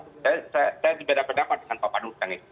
saya berbeda pendapat dengan pak manu